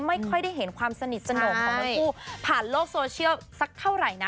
ไม่ค่อยได้เห็นความสนิทสนมของทั้งคู่ผ่านโลกโซเชียลสักเท่าไหร่นะ